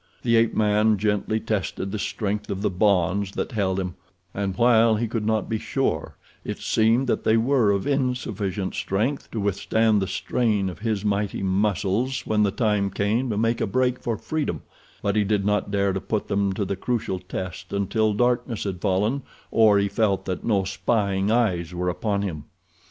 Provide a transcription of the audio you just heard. The ape man gently tested the strength of the bonds that held him, and while he could not be sure it seemed that they were of insufficient strength to withstand the strain of his mighty muscles when the time came to make a break for freedom; but he did not dare to put them to the crucial test until darkness had fallen, or he felt that no spying eyes were upon him.